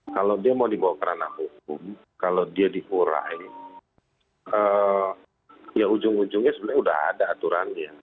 kalau dia mau dibawa ke ranah hukum kalau dia dikurai ya ujung ujungnya sebenarnya sudah ada aturannya